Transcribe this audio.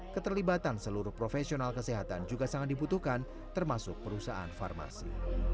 keterlibatan seluruh profesional kesehatan juga sangat dibutuhkan termasuk perusahaan farmasi